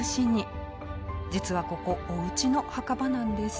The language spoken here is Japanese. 実はここお家の墓場なんです。